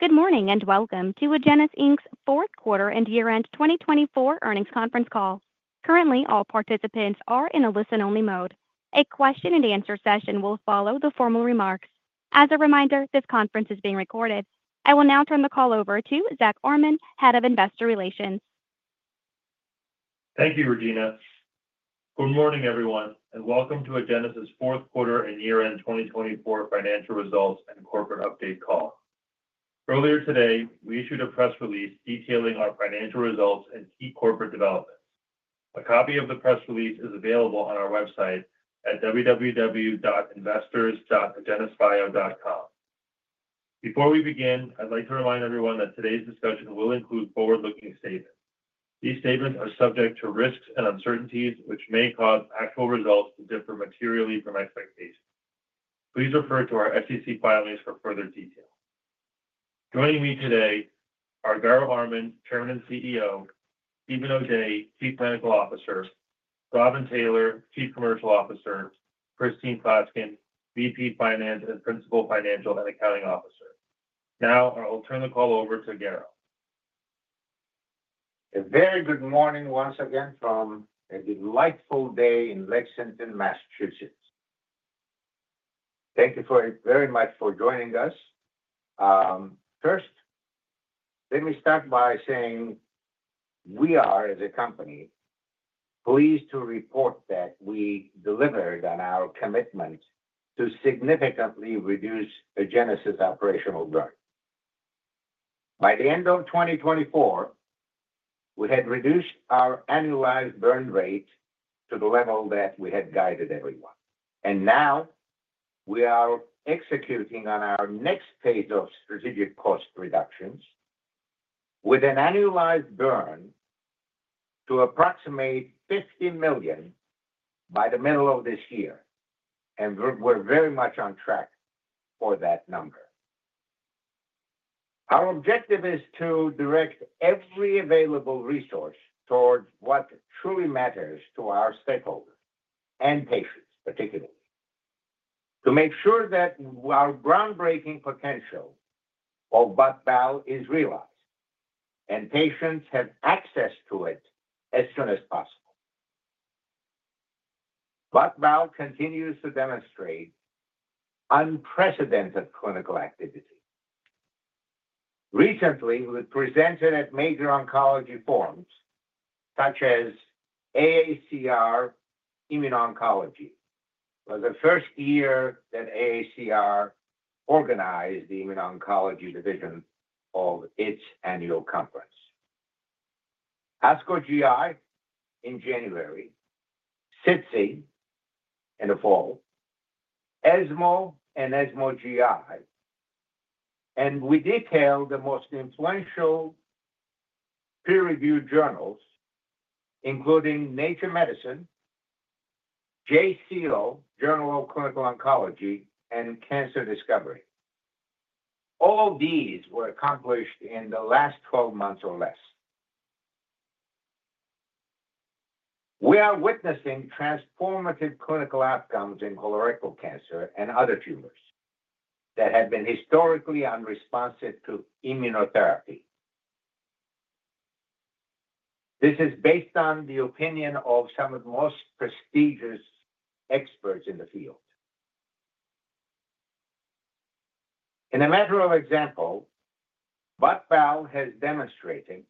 Good morning and welcome to Agenus Inc.'s fourth quarter and year-end 2024 earnings conference call. Currently, all participants are in a listen-only mode. A question-and-answer session will follow the formal remarks. As a reminder, this conference is being recorded. I will now turn the call over to Zack Armen, Head of Investor Relations. Thank you, Regina. Good morning, everyone, and welcome to Agenus's fourth quarter and year-end 2024 financial results and corporate update call. Earlier today, we issued a press release detailing our financial results and key corporate developments. A copy of the press release is available on our website at www.investors.agenusbio.com. Before we begin, I'd like to remind everyone that today's discussion will include forward-looking statements. These statements are subject to risks and uncertainties, which may cause actual results to differ materially from expectations. Please refer to our SEC filings for further detail. Joining me today are Garo Armen, Chairman and CEO; Steven O'Day, Chief Medical Officer; Robin Taylor, Chief Commercial Officer; Christine Klaskin, VP Finance and Principal Financial and Accounting Officer. Now, I'll turn the call over to Garo. A very good morning once again from a delightful day in Lexington, Massachusetts. Thank you very much for joining us. First, let me start by saying we are, as a company, pleased to report that we delivered on our commitment to significantly reduce Agenus's operational burn. By the end of 2024, we had reduced our annualized burn rate to the level that we had guided everyone. We are executing on our next phase of strategic cost reductions with an annualized burn to approximate $50 million by the middle of this year. We are very much on track for that number. Our objective is to direct every available resource towards what truly matters to our stakeholders, and patients particularly, to make sure that our groundbreaking potential of BOT/BAL is realized and patients have access to it as soon as possible. BOT/BAL continues to demonstrate unprecedented clinical activity. Recently, we presented at major oncology forums such as AACR Immuno-oncology for the first year that AACR organized the Immuno-oncology Division of its annual conference. ASCO GI in January, SITC in the fall, ESMO and ESMO GI, and we detailed the most influential peer-reviewed journals, including Nature Medicine, JCO, Journal of Clinical Oncology, and Cancer Discovery. All these were accomplished in the last 12 months or less. We are witnessing transformative clinical outcomes in colorectal cancer and other tumors that have been historically unresponsive to immunotherapy. This is based on the opinion of some of the most prestigious experts in the field. In a matter of example, Botensilimab has demonstrated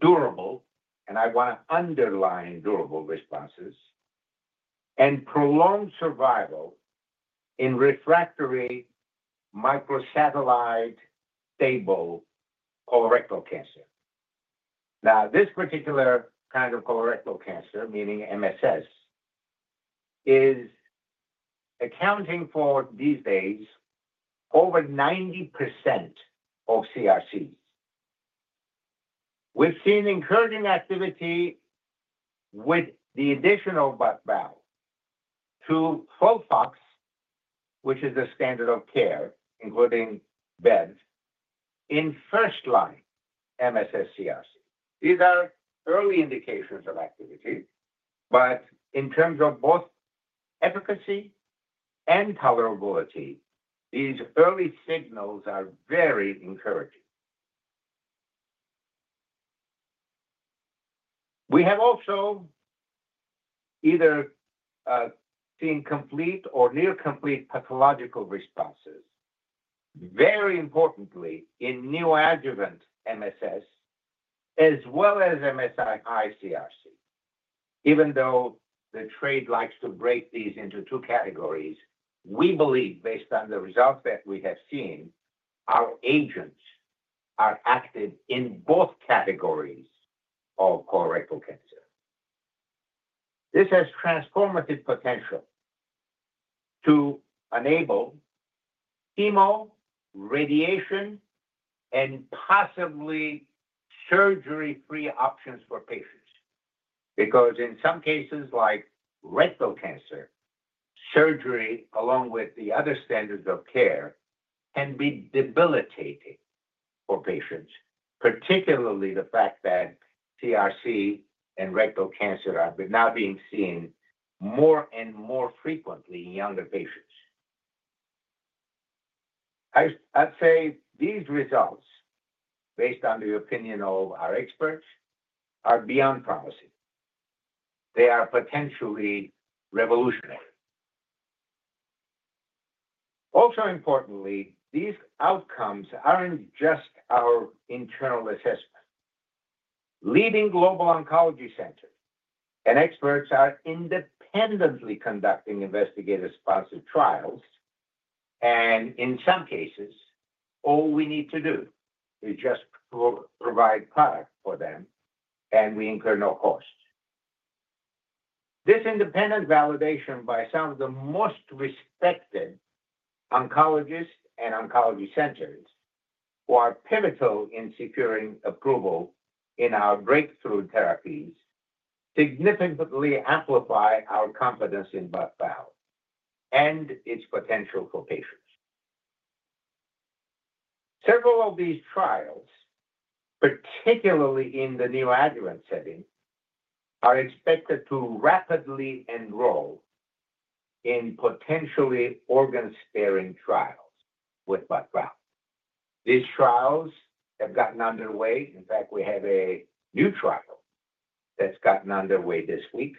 durable, and I want to underline durable responses, and prolonged survival in refractory microsatellite stable colorectal cancer. Now, this particular kind of colorectal cancer, meaning MSS, is accounting for these days over 90% of CRCs. We've seen encouraging activity with the addition of BOT/BAL to FOLFOX, which is a standard of care, including Bevacizumab, in first-line MSS CRCs. These are early indications of activity, but in terms of both efficacy and tolerability, these early signals are very encouraging. We have also either seen complete or near-complete pathological responses, very importantly in neoadjuvant MSS as well as MSI CRC. Even though the trade likes to break these into two categories, we believe, based on the results that we have seen, our agents are active in both categories of colorectal cancer. This has transformative potential to enable chemo, radiation, and possibly surgery-free options for patients because, in some cases like rectal cancer, surgery, along with the other standards of care, can be debilitating for patients, particularly the fact that CRC and rectal cancer have now been seen more and more frequently in younger patients. I'd say these results, based on the opinion of our experts, are beyond promising. They are potentially revolutionary. Also importantly, these outcomes aren't just our internal assessment. Leading global oncology centers and experts are independently conducting investigator-sponsored trials. In some cases, all we need to do is just provide product for them, and we incur no cost. This independent validation by some of the most respected oncologists and oncology centers, who are pivotal in securing approval in our breakthrough therapies, significantly amplifies our confidence in BOT/BAL and their potential for patients. Several of these trials, particularly in the neoadjuvant setting, are expected to rapidly enroll in potentially organ-sparing trials with BOT/BAL. These trials have gotten underway. In fact, we have a new trial that's gotten underway this week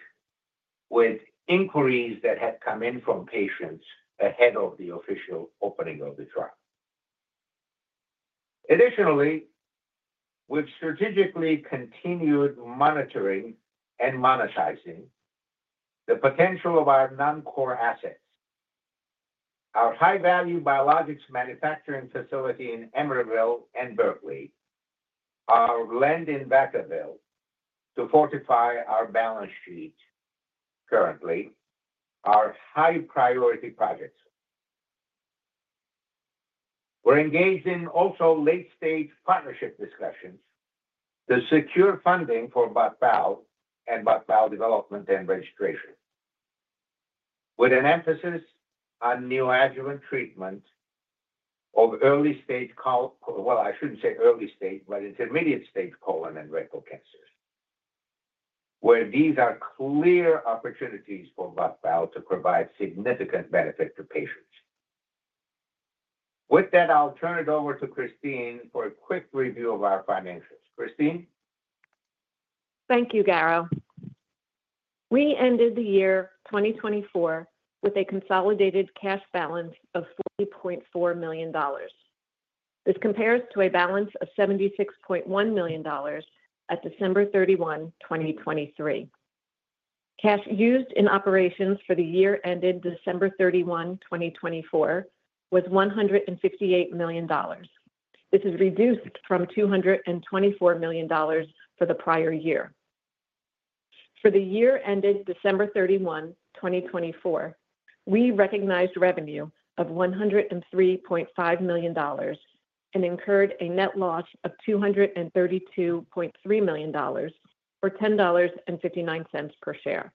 with inquiries that have come in from patients ahead of the official opening of the trial. Additionally, we've strategically continued monitoring and monetizing the potential of our non-core assets. Our high-value biologics manufacturing facility in Emeryville and Berkeley, our land in Vacaville to fortify our balance sheet currently, are high-priority projects. We're engaged in also late-stage partnership discussions to secure funding for BOT/BAL and BOT/BAL development and registration, with an emphasis on neoadjuvant treatment of early-stage colon—I shouldn't say early-stage, but intermediate-stage colon and rectal cancers, where these are clear opportunities for BOT/BAL to provide significant benefit to patients. With that, I'll turn it over to Christine for a quick review of our financials. Christine? Thank you, Garo. We ended the year 2024 with a consolidated cash balance of $40.4 million. This compares to a balance of $76.1 million at December 31, 2023. Cash used in operations for the year ended December 31, 2024, was $168 million. This is reduced from $224 million for the prior year. For the year ended December 31, 2024, we recognized revenue of $103.5 million and incurred a net loss of $232.3 million or $10.59 per share.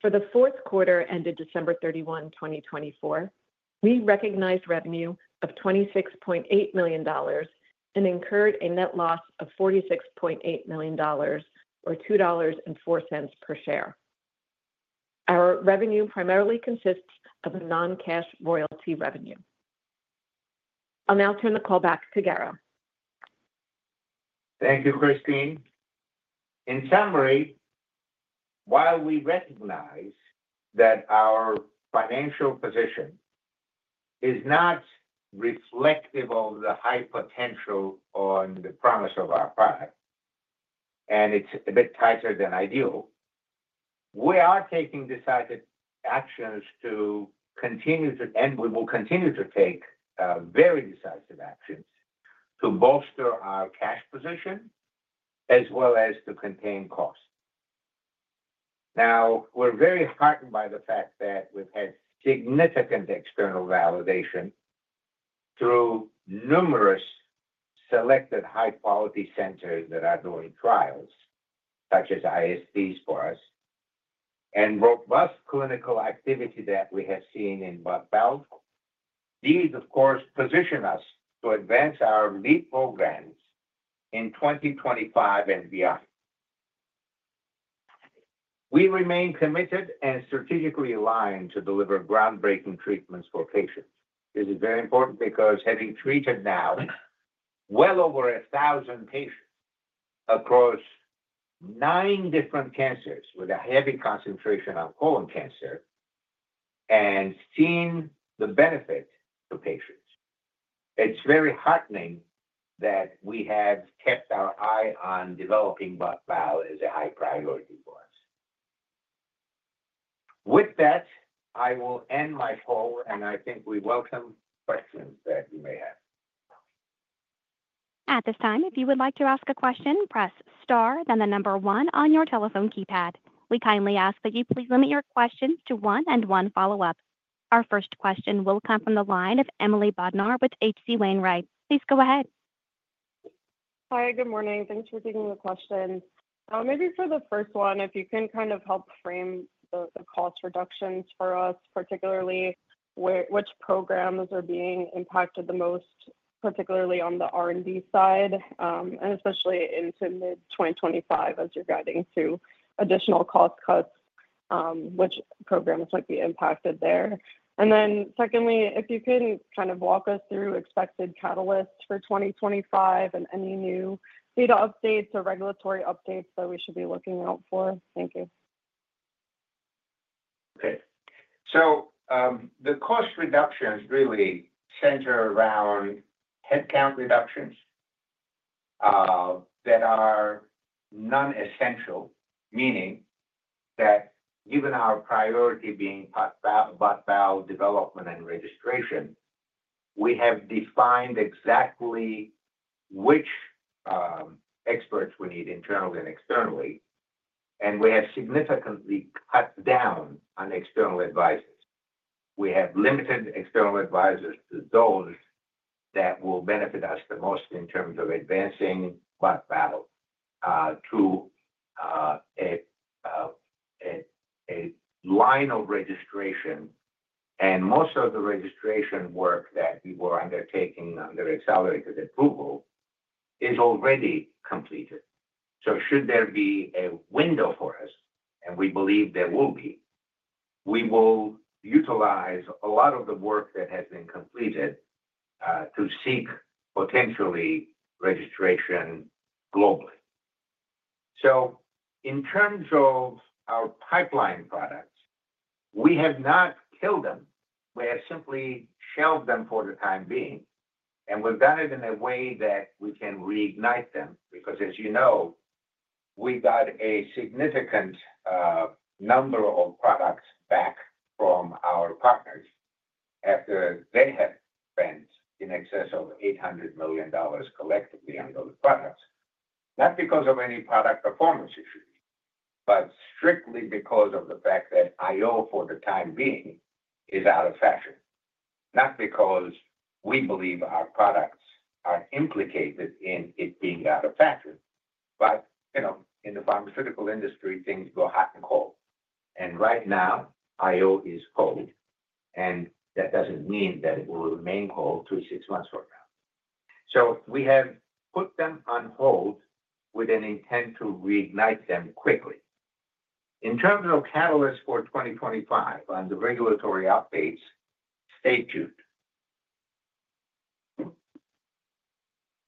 For the fourth quarter ended December 31, 2024, we recognized revenue of $26.8 million and incurred a net loss of $46.8 million or $2.04 per share. Our revenue primarily consists of non-cash royalty revenue. I'll now turn the call back to Garo. Thank you, Christine. In summary, while we recognize that our financial position is not reflective of the high potential and the promise of our product, and it's a bit tighter than ideal, we are taking decisive actions to continue to—and we will continue to take very decisive actions to bolster our cash position as well as to contain costs. Now, we're very heartened by the fact that we've had significant external validation through numerous selected high-quality centers that are doing trials, such as ISTs for us, and robust clinical activity that we have seen in BOT/BAL. These, of course, position us to advance our lead programs in 2025 and beyond. We remain committed and strategically aligned to deliver groundbreaking treatments for patients. This is very important because having treated now well over 1,000 patients across nine different cancers, with a heavy concentration on colon cancer, and seen the benefit to patients, it's very heartening that we have kept our eye on developing BOT/BAL as a high priority for us. With that, I will end my call, and I think we welcome questions that you may have. At this time, if you would like to ask a question, press star, then the number one on your telephone keypad. We kindly ask that you please limit your questions to one and one follow-up. Our first question will come from the line of Emily Bodnar with H.C. Wainwright. Please go ahead. Hi, good morning. Thanks for taking the question. Maybe for the first one, if you can kind of help frame the cost reductions for us, particularly which programs are being impacted the most, particularly on the R&D side, and especially into mid-2025 as you're guiding to additional cost cuts, which programs might be impacted there. If you can kind of walk us through expected catalysts for 2025 and any new data updates or regulatory updates that we should be looking out for. Thank you. Okay. The cost reductions really center around headcount reductions that are non-essential, meaning that given our priority being BOT/BAL development and registration, we have defined exactly which experts we need internally and externally, and we have significantly cut down on external advisors. We have limited external advisors to those that will benefit us the most in terms of advancing BOT/BAL to a line of registration. Most of the registration work that we were undertaking under accelerated approval is already completed. Should there be a window for us, and we believe there will be, we will utilize a lot of the work that has been completed to seek potentially registration globally. In terms of our pipeline products, we have not killed them. We have simply shelved them for the time being. We have done it in a way that we can reignite them because, as you know, we got a significant number of products back from our partners after they had spent in excess of $800 million collectively on those products, not because of any product performance issues, but strictly because of the fact that IO for the time being is out of fashion, not because we believe our products are implicated in it being out of fashion. In the pharmaceutical industry, things go hot and cold. Right now, IO is cold, and that does not mean that it will remain cold three to six months from now. We have put them on hold with an intent to reignite them quickly. In terms of catalysts for 2025, on the regulatory updates, stay tuned.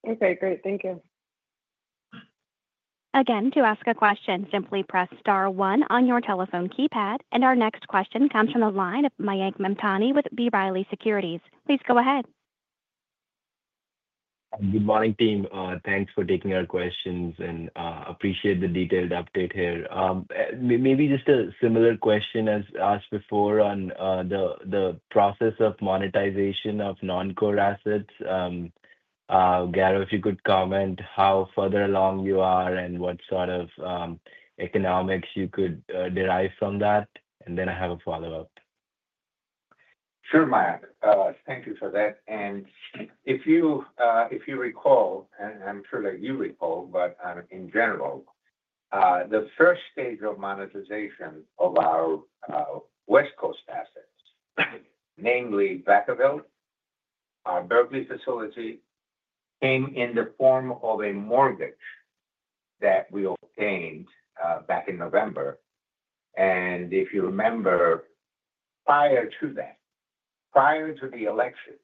Okay. Great. Thank you. Again, to ask a question, simply press star one on your telephone keypad. Our next question comes from the line of Mayank Mamtani with B. Riley Securities. Please go ahead. Good morning, team. Thanks for taking our questions, and I appreciate the detailed update here. Maybe just a similar question as asked before on the process of monetization of non-core assets. Garo, if you could comment how further along you are and what sort of economics you could derive from that. I have a follow-up. Sure, Mayank. Thank you for that. If you recall, and I'm sure that you recall, in general, the first stage of monetization of our West Coast assets, namely Vacaville, our Berkeley facility, came in the form of a mortgage that we obtained back in November. If you remember, prior to that, prior to the elections,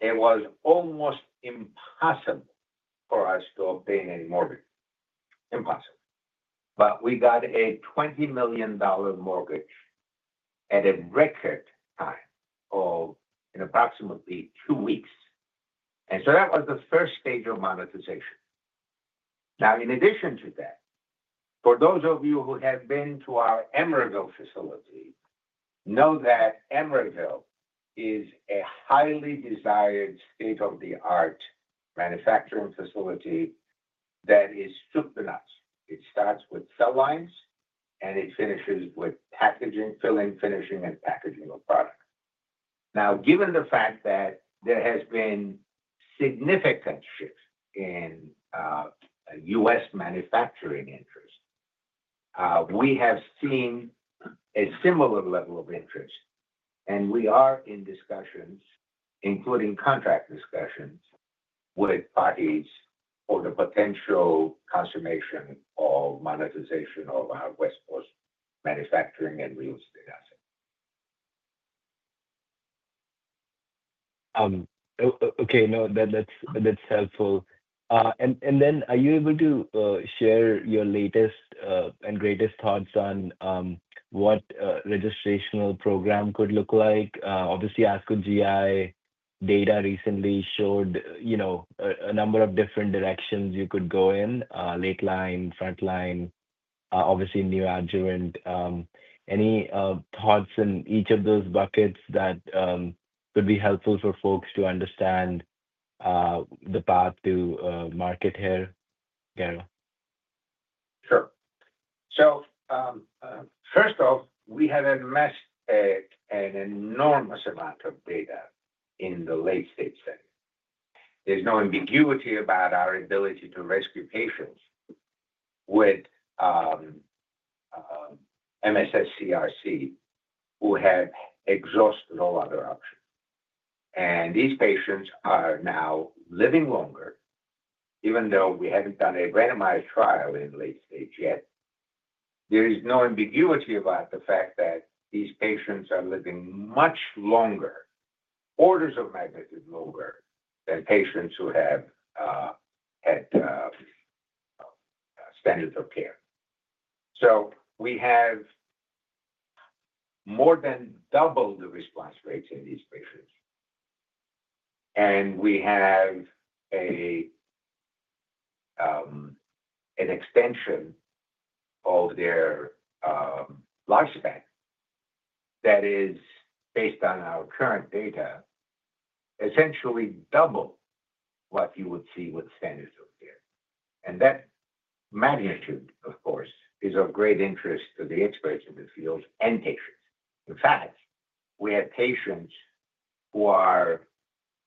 it was almost impossible for us to obtain any mortgage. Impossible. We got a $20 million mortgage at a record time of in approximately two weeks. That was the first stage of monetization. In addition to that, for those of you who have been to our Emeryville facility, you know that Emeryville is a highly desired state-of-the-art manufacturing facility that is soup to nuts. It starts with cell lines, and it finishes with packaging, filling, finishing, and packaging of products. Now, given the fact that there has been significant shifts in U.S. manufacturing interest, we have seen a similar level of interest. We are in discussions, including contract discussions, with parties for the potential consummation of monetization of our West Coast manufacturing and real estate assets. Okay. No, that's helpful. Are you able to share your latest and greatest thoughts on what a registrational program could look like? Obviously, ASCO GI data recently showed a number of different directions you could go in: late line, front line, obviously neoadjuvant. Any thoughts in each of those buckets that could be helpful for folks to understand the path to market here, Garo? Sure. First off, we have amassed an enormous amount of data in the late-stage setting. There is no ambiguity about our ability to rescue patients with MSSCRC, who have exhausted all other options. These patients are now living longer, even though we have not done a randomized trial in late-stage yet. There is no ambiguity about the fact that these patients are living much longer, orders of magnitude longer than patients who have had standard of care. We have more than doubled the response rates in these patients. We have an extension of their lifespan that is, based on our current data, essentially double what you would see with standard of care. That magnitude, of course, is of great interest to the experts in the field and patients. In fact, we have patients who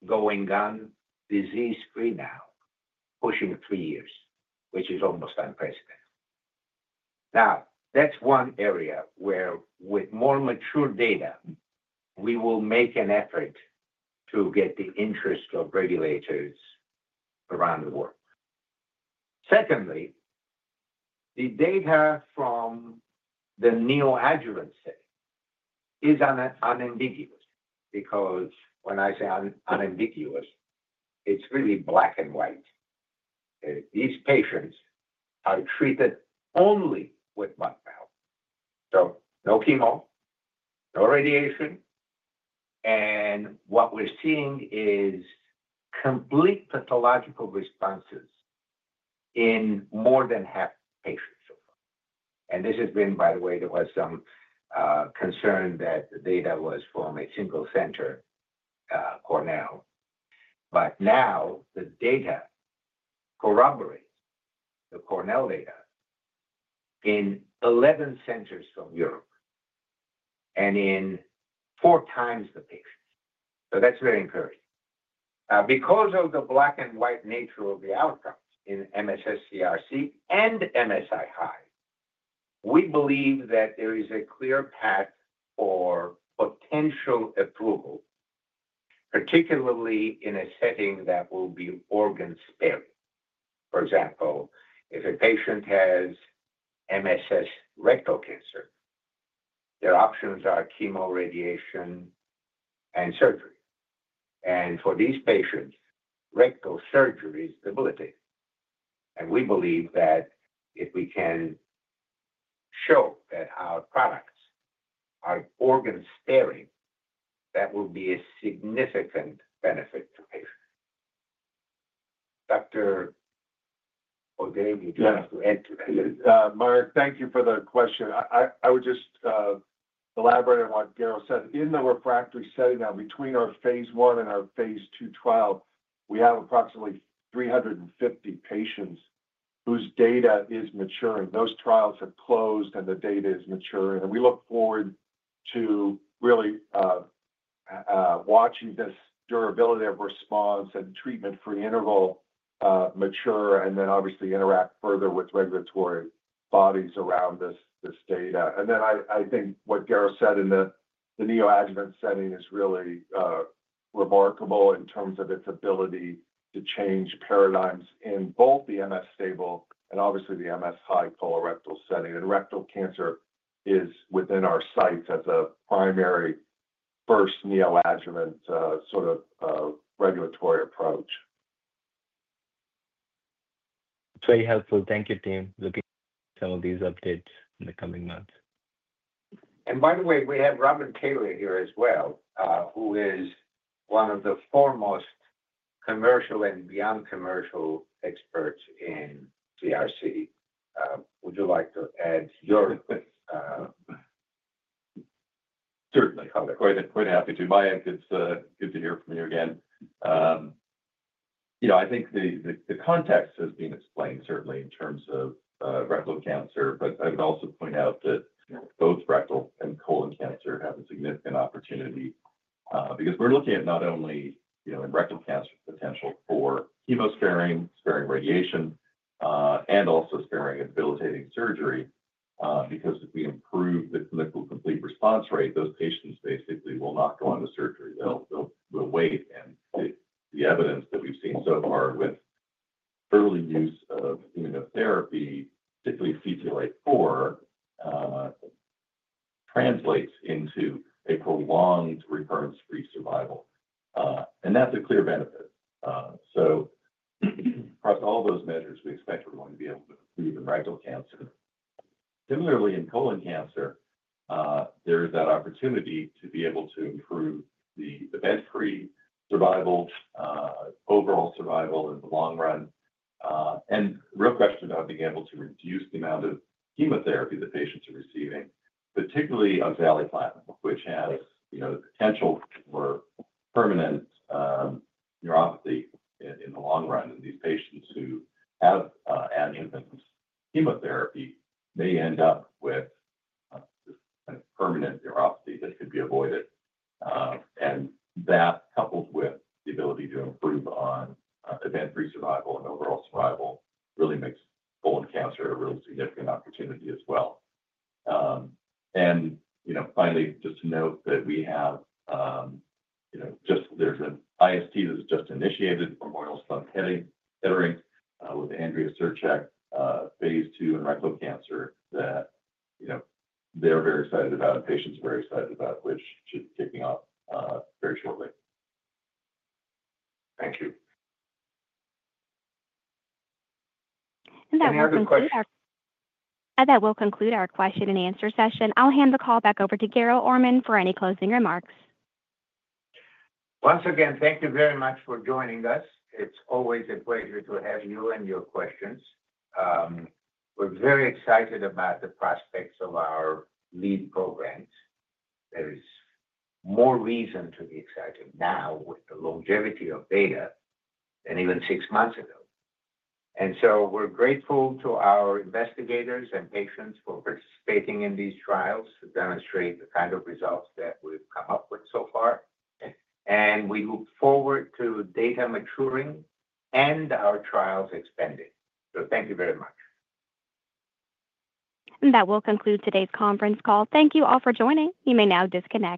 are going on disease-free now, pushing three years, which is almost unprecedented. Now, that's one area where, with more mature data, we will make an effort to get the interest of regulators around the world. Secondly, the data from the neoadjuvant setting is unambiguous because when I say unambiguous, it's really black and white. These patients are treated only with BOT/BAL. No chemo, no radiation. What we're seeing is complete pathological responses in more than half the patients so far. There was some concern that the data was from a single center, Cornell. Now the data corroborates the Cornell data in 11 centers from Europe and in four times the patients. That's very encouraging. Because of the black and white nature of the outcomes in MSSCRC and MSI high, we believe that there is a clear path for potential approval, particularly in a setting that will be organ-sparing. For example, if a patient has MSS rectal cancer, their options are chemo, radiation, and surgery. For these patients, rectal surgery is the ability. We believe that if we can show that our products are organ-sparing, that will be a significant benefit to patients. Dr. O'Day, would you like to add to that? Yes, Mark, thank you for the question. I would just elaborate on what Garo said. In the refractory setting now, between our phase I and our phase II trial, we have approximately 350 patients whose data is maturing. Those trials have closed, and the data is maturing. We look forward to really watching this durability of response and treatment-free interval mature and then obviously interact further with regulatory bodies around this data. I think what Garo said in the neoadjuvant setting is really remarkable in terms of its ability to change paradigms in both the MS stable and obviously the MS high colorectal setting. Rectal cancer is within our sights as a primary first neoadjuvant sort of regulatory approach. Very helpful. Thank you, team. Looking to some of these updates in the coming months. By the way, we have Robin Taylor here as well, who is one of the foremost commercial and beyond commercial experts in CRC. Would you like to add your? Certainly. I'll go ahead and point it out. It's good to hear from you again. I think the context has been explained certainly in terms of rectal cancer, but I would also point out that both rectal and colon cancer have a significant opportunity because we're looking at not only rectal cancer's potential for chemosparing, sparing radiation, and also sparing and debilitating surgery because if we improve the clinical complete response rate, those patients basically will not go on to surgery. They'll wait. The evidence that we've seen so far with early use of immunotherapy, particularly CTLA-4, translates into a prolonged recurrence-free survival. That's a clear benefit. Across all those measures, we expect we're going to be able to improve in rectal cancer. Similarly, in colon cancer, there is that opportunity to be able to improve the event-free survival, overall survival in the long run. A real question about being able to reduce the amount of chemotherapy the patients are receiving, particularly on oxaliplatin, which has the potential for permanent neuropathy in the long run. These patients who have adjuvant chemotherapy may end up with this kind of permanent neuropathy that could be avoided. That, coupled with the ability to improve on event-free survival and overall survival, really makes colon cancer a real significant opportunity as well. Finally, just to note that there is an investigator-sponsored trial that has just initiated Memorial Sloan Kettering with Andrea Cercek, phase II in rectal cancer that they are very excited about and patients are very excited about, which should be kicking off very shortly. Thank you. That will conclude our question and answer session. I'll hand the call back over to Garo Armen for any closing remarks. Once again, thank you very much for joining us. It's always a pleasure to have you and your questions. We're very excited about the prospects of our lead programs. There is more reason to be excited now with the longevity of data than even six months ago. We are grateful to our investigators and patients for participating in these trials to demonstrate the kind of results that we've come up with so far. We look forward to data maturing and our trials expanding. Thank you very much. That will conclude today's conference call. Thank you all for joining. You may now disconnect.